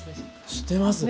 してます。ね。